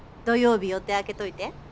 土曜日予定空けといて。